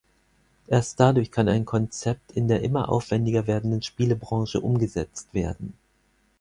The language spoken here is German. Erst dadurch kann ein Konzept in der immer aufwändiger werdenden Spielebranche umgesetzt werden.